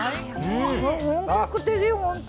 本格的、本当。